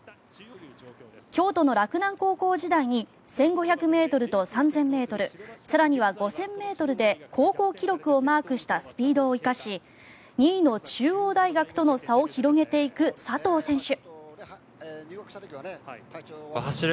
京都の洛南高校時代に１５００ｍと３０００ｍ更には５０００ｍで高校記録をマークしたスピードを生かし２位の中央大学との差を広げていく佐藤選手。